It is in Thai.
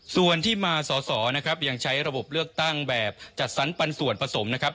ส่วนที่มาสอสอนะครับยังใช้ระบบเลือกตั้งแบบจัดสรรปันส่วนผสมนะครับ